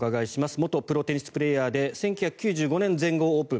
元プロテニスプレーヤーで１９９５年全豪オープン